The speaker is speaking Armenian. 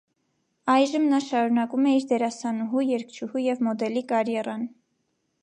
Այժմ նա շարունակում է իր դերասանուհու, երգչուհու և մոդելի կարիերան։